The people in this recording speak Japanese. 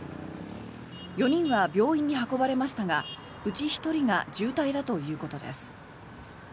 ４人は病院に運ばれましたがうち１人が重体だということです。